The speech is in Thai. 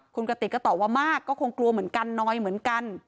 คุณกติกก็ตอบว่ามากก็คงกลัวเหมือนกันนอยเหมือนกัน